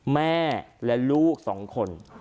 แม่และลูก๒คน